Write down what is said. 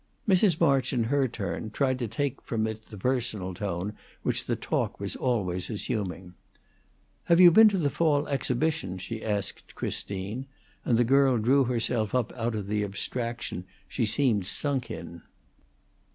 Mrs. March, in her turn, tried to take from it the personal tone which the talk was always assuming. "Have you been to the fall exhibition?" she asked Christine; and the girl drew herself up out of the abstraction she seemed sunk in.